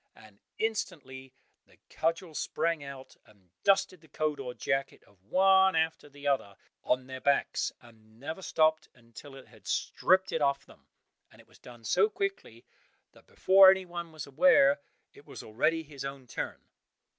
and instantly the cudgel sprang out, and dusted the coat or jacket of one after the other on their backs, and never stopped until it had stripped it off them, and it was done so quickly, that before anyone was aware, it was already his own turn.